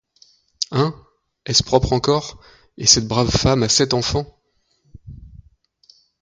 Hein ? est-ce propre encore ? et cette brave femme a sept enfants !